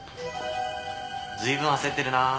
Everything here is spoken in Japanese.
随分焦ってるなあ。